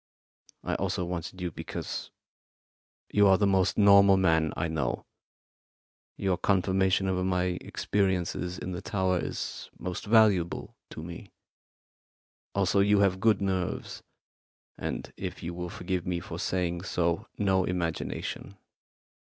I also wanted you because you are the most normal man I know. Your confirmation of my experiences in the tower is most valuable to me. Also, you have good nerves, and, if you will forgive me for saying so, no imagination.